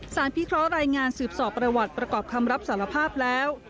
พิเคราะห์รายงานสืบสอบประวัติประกอบคำรับสารภาพแล้ว